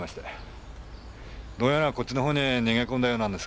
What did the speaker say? どうやらこっちの方に逃げ込んだようなんですが。